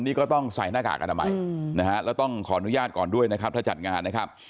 นี่ก็ต้องใส่หน้ากากอนามัยนะฮะแล้วต้องขออนุญาตก่อนด้วยนะครับถ้าจัดงานนะครับ